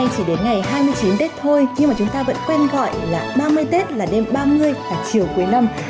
chương trình lịch âm thì năm nay chỉ đến ngày hai mươi chín tết thôi nhưng mà chúng ta vẫn quen gọi là ba mươi tết là đêm ba mươi là chiều cuối năm